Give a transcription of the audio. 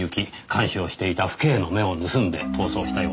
監視をしていた婦警の目を盗んで逃走したようですね。